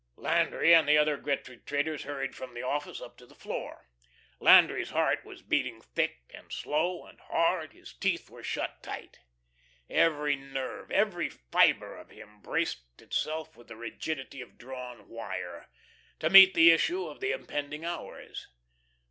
Landry and the other Gretry traders hurried from the office up to the floor. Landry's heart was beating thick and slow and hard, his teeth were shut tight. Every nerve, every fibre of him braced itself with the rigidity of drawn wire, to meet the issue of the impending hours.